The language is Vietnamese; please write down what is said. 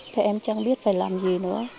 thì em chẳng biết phải làm gì nữa